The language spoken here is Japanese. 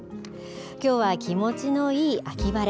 きょうは気持ちのいい秋晴れ。